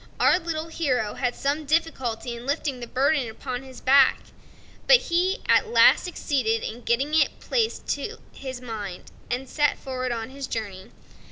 Our little hero had some difficulty in lifting the burden upon his back; but he at last succeeded in getting it placed and set forward on his journey.